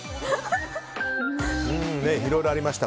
いろいろありました。